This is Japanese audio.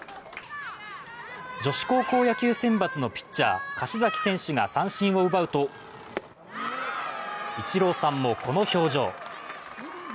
女子高校野球選抜のピッチャー、柏崎選手が三振を奪うと、イチローさんもこの表情。